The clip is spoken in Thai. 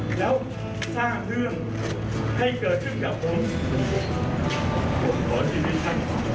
เอาชีวิตของคุณพ่อและคุณแม่ผม